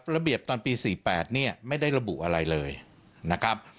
ระเบียบตอนปี๔๘เนี่ยไม่ได้ระบุอะไรเลยนะครับ